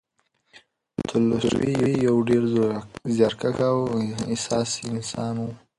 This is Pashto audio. تولستوی یو ډېر زیارکښ او حساس انسان و.